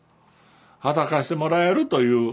働かせてもらえるという。